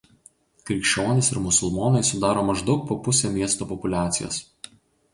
Krikščionys ir musulmonai sudaro maždaug po pusę miesto populiacijos.